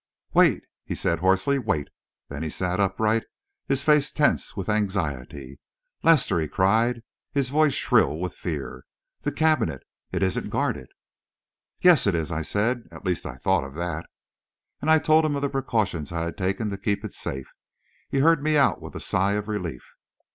"Wait!" he said, hoarsely. "Wait!" Then he sat upright, his face tense with anxiety. "Lester!" he cried, his voice shrill with fear. "The cabinet it isn't guarded!" "Yes, it is," I said. "At least I thought of that!" And I told him of the precautions I had taken to keep it safe. He heard me out with a sigh of relief.